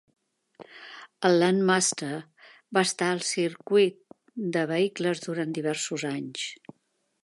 El Landmaster va estar al circuit de vehicles durant diversos anys.